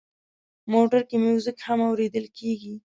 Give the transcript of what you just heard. موټر کې میوزیک هم اورېدل کېږي.